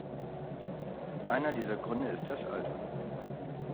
Einer dieser Gründe ist das Alter.